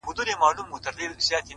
هره تجربه د عقل یو نوی رنګ دی.!